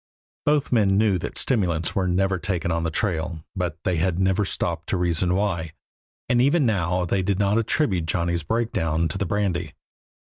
Both men knew that stimulants are never taken on the trail, but they had never stopped to reason why, and even now they did not attribute Johnny's breakdown to the brandy.